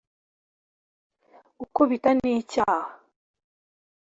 gukubita nicyaha.